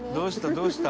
どうした？」